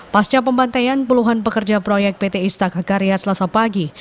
pasca pembantaian puluhan pekerja proyek pt istaka karya selasa pagi